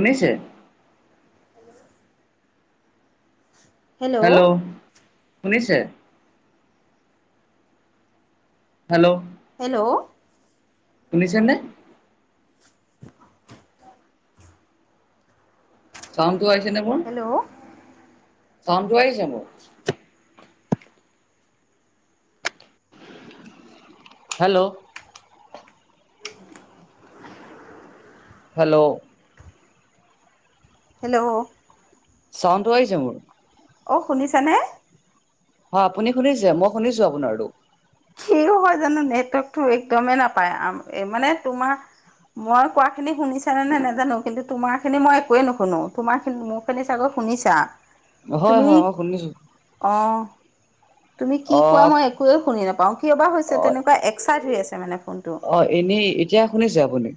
শুনিছে? হেল্ল' শুনিছে? Hello. Hello. শুনিছেনে? চাউণ্ডটো আহিছে নে মোৰ? হেল্ল'। চাউণ্ডটো আহিছে মোৰ? হেল্ল'। হেল্ল'। হেল্ল'। চাউণ্ডটো আহিছে মোৰ? অ শুনিছানে? হয় আপুনি শুনিছে? মই শুনিছো আপোনাৰটো। কিনো হয় জানো নেটৱৰ্কটো একদমেই নাপায় আমাৰ মানে তোমাৰ মই কোৱাখিনি শুনিছানে নে নাই নেজানো কিন্তু তোমাৰখিনি মই একোৱে নুশুনো তোমাৰখিনি মোৰ তুমি চাগৈ শুনিছা হয় তুমি হয় মই শুনিছো। অ তুমি কি কোৱা অ' মই একোৱে শুনি নাপাও কিয় বা হৈছে অ' তেনেকুৱা এক্সাইড হৈ আছে মানে ফোনটো। অ এনেই। এতিয়া শুনিছে আপুনি?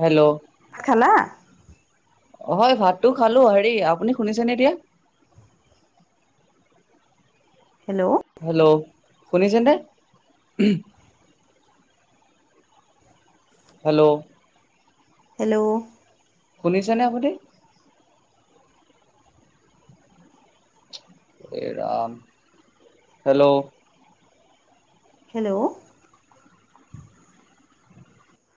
হেল্ল'। ভাত খালা? হয় ভাতটো খালো। হেৰি আপুনি শুনিছেনে এতিয়া? হেল্ল। হেল্ল' শুনিছেনে? হেল্ল'। হেল্ল'। শুনিছেনে আপুনি? এ ৰাম হেল্ল'। হেল্ল'।